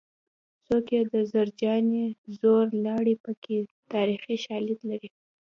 څوک یې د زرجانې زوی لاړې پکې تاریخي شالید لري